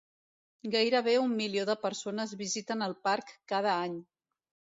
Gairebé un milió de persones visiten el parc cada any.